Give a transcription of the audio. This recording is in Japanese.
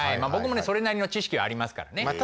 僕もそれなりの知識はありますからね。